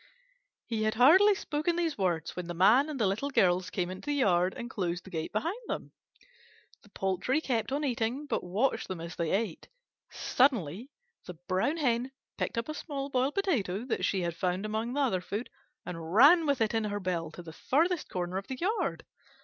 He had hardly spoken these words when the Man and the Little Girls came into the yard and closed the gate behind them. The poultry kept on eating, but watched them as they ate. Suddenly the Brown Hen picked up a small boiled potato that she had found among the other food, and ran with it in her bill to the farthest corner of the yard.